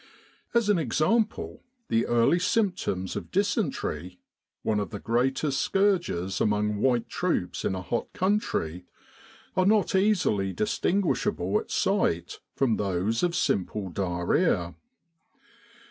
As an example, the early symptoms of dysentery one of the greatest scourges among white troops in a hot country are not easily distinguishable at sight from those of simple diarrhoea.